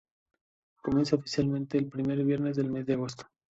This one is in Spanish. Comienza oficialmente el primer viernes del mes de agosto.